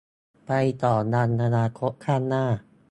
ไปต่อยังอนาคตข้างหน้า